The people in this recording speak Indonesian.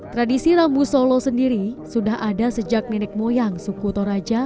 tradisi rambu solo sendiri sudah ada sejak nenek moyang suku toraja